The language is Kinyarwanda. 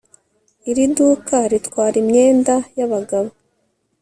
iri duka ritwara imyenda yabagabo